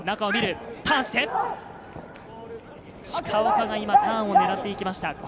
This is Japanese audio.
鹿岡が今ターンを狙っていきました。